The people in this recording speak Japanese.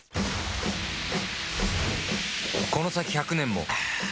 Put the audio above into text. この先１００年もアーーーッ‼